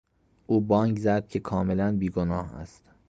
او بانگ زد که کاملا بی گناه است.